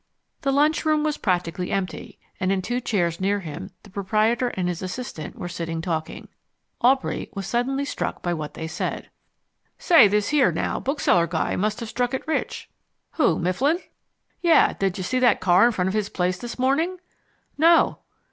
The lunchroom was practically empty, and in two chairs near him the proprietor and his assistant were sitting talking. Aubrey was suddenly struck by what they said. "Say, this here, now, bookseller guy must have struck it rich." "Who, Mifflin?" "Yeh; did ya see that car in front of his place this morning?" "No."